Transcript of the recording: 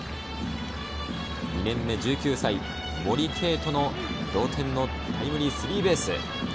２年目、１９歳、森敬斗の同点のタイムリースリーベース。